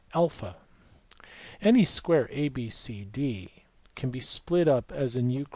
(a) Any square ABC D can be split up as in Euc.